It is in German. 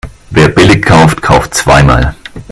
Wer billig kauft, kauft zweimal.